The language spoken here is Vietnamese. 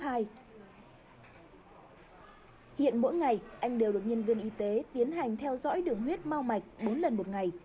hiện mỗi ngày anh đều được nhân viên y tế tiến hành theo dõi đường huyết mau mạch bốn lần một ngày